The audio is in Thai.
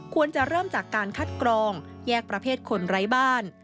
ควรจะเริ่มจากการคัดกรองแยกประเภทคนไร้บ้าน